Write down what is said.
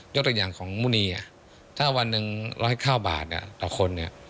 ตัวอย่างของมุณีถ้าวันหนึ่ง๑๐๙บาทต่อคนเนี่ย